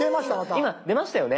今出ましたよね。